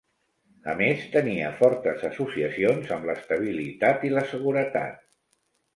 A més, tenia fortes associacions amb l'estabilitat i la seguretat.